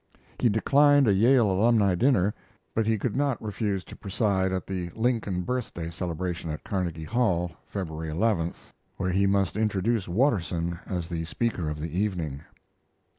He declined a Yale alumni dinner, but he could not refuse to preside at the Lincoln Birthday celebration at Carnegie Hall, February 11th, where he must introduce Watterson as the speaker of the evening.